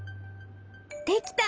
できた！